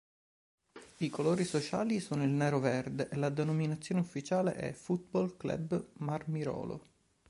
I colori sociali sono il nero-verde e la denominazione ufficiale è "Football Club Marmirolo".